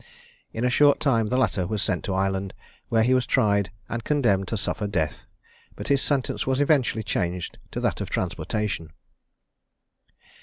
In a short time the latter was sent to Ireland, where he was tried, and condemned to suffer death; but his sentence was eventually changed to that of transportation.